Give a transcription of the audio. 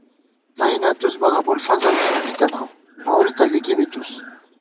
تئ نہ تُس بہ ابُوالفضل ݭُنڈی تَنہ نوری تہ لِکِی بی تُس